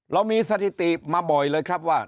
เรามีสถิติมาบ่อยเลยครับว่า